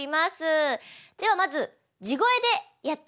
ではまず地声でやってみましょう。